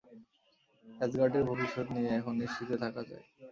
অ্যাসগার্ডের ভবিষ্যৎ নিয়ে এখন নিশ্চিন্ত থাকা যায়।